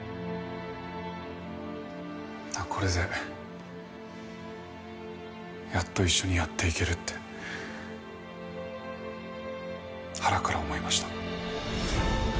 これでやっと一緒にやっていけるって腹から思いました。